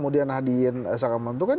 jadi itu yang saya ingin menentukan